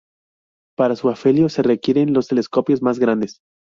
Para su afelio, se requieren los telescopios más grandes.